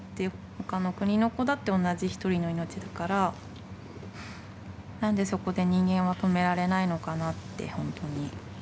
他の国の子だって同じ一人の命だから何でそこで人間は止められないのかなってほんとに。